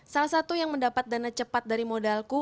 salah satu yang mendapat dana cepat dari modalku